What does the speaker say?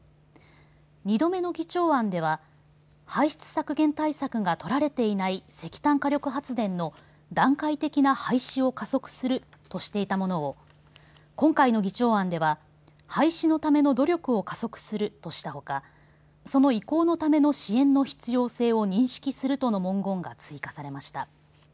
２度目の議長案では排出削減対策が取られていない石炭火力発電の段階的な廃止を加速するとしていたものを今回の議長案では廃止のための努力を加速するとしたほかその移行のための支援の必要性を認識するとの文言が追加されました。